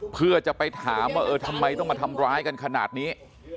เพื่อจะไปถามว่าเออทำไมต้องมาทำร้ายกันขนาดนี้